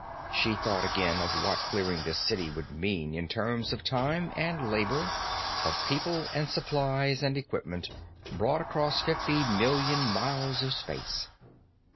She thought, again, of what clearing this city would mean, in terms of time and labor, of people and supplies and equipment brought across fifty million miles of space.